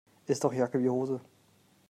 Ist doch Jacke wie Hose.